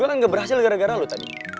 gue kan gak berhasil gara gara lo tadi